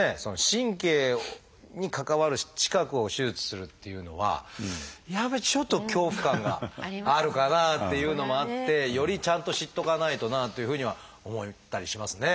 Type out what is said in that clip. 神経に関わる近くを手術するっていうのはやっぱりちょっと恐怖感があるかなっていうのもあってよりちゃんと知っとかないとなというふうには思ったりしますね。